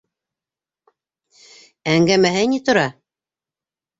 Әңгәмәһе ни тора?